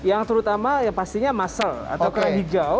yang terutama pastinya mussel atau kerang hijau